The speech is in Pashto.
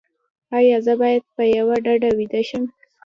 ایا زه باید په یوه ډډه ویده شم؟